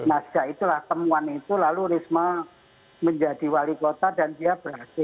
nah sejak itulah temuan itu lalu risma menjadi wali kota dan dia berhasil